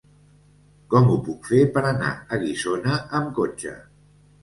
Com ho puc fer per anar a Guissona amb cotxe?